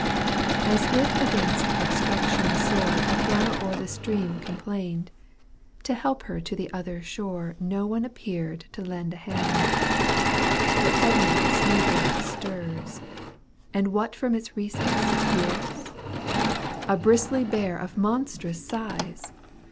As if against obstruction sore Tattiana o'er the stream complained ; To help her to the other shore No one appeared to lend a hand. But suddenly a snowdrift stirs. And what from its recess appears ?— A bristly bear of monstrous size